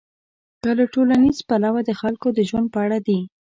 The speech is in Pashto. که له ټولنیز پلوه د خلکو د ژوند په اړه دي.